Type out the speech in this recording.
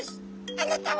あなたは？